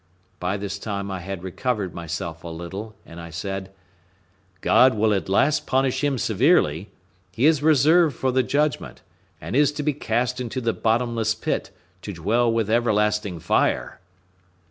By this time I had recovered myself a little, and I said, "God will at last punish him severely; he is reserved for the judgment, and is to be cast into the bottomless pit, to dwell with everlasting fire."